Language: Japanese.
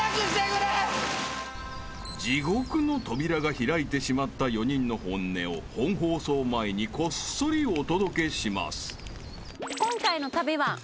［地獄の扉が開いてしまった４人の本音を本放送前にこっそりお届けします］